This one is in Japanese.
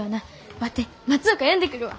ワテ松岡呼んでくるわ。